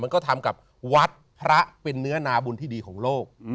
ก็ทำกับวัดพระเป็นเนื้อนาบุญที่ดีของโลก